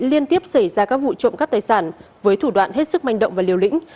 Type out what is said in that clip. liên tiếp xảy ra các vụ trộm cắp tài sản với thủ đoạn hết sức manh động và liều lĩnh